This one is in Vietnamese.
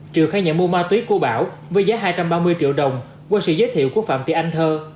triều khai nhận mua ma túy của bảo với giá hai trăm ba mươi triệu đồng qua sự giới thiệu của phạm thị anh thơ